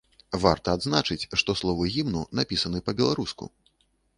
Варта адзначыць, што словы гімну напісаны па-беларуску.